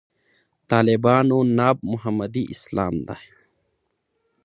طالبانو ناب محمدي اسلام دی.